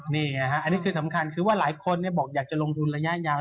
อันนี้คือสำคัญคือว่าหลายคนเนี่ยบอกอยากจะลงทุนระยะยาว